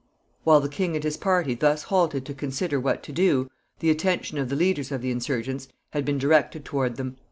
While the king and his party thus halted to consider what to do, the attention of the leaders of the insurgents had been directed toward them.